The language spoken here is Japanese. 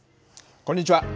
こんにちは。